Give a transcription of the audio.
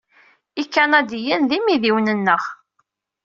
Ikanadiyen d imidiwen-nneɣ.